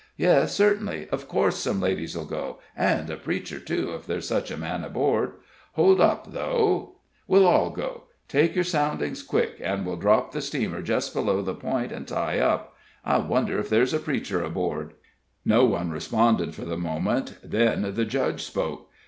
Yes, certainly of course some ladies'll go and a preacher, too, if there's such a man aboard. Hold up, though we'll all go. Take your soundings, quick, and we'll drop the steamer just below the point, and tie up. I wonder if there's a preacher aboard?" No one responded for the moment; then the Judge spoke.